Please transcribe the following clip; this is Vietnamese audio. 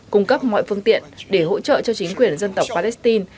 cung cấp mọi phương tiện để hỗ trợ cho chính quyền dân tộc palestine